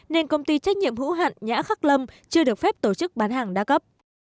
nên công ty trách nhiệm hữu hạn nhã khắc lâm chưa được phép tổ chức bán hàng đa cấp